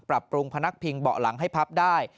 ปรับปรุงพนักพิงเบาะหลังให้พับได้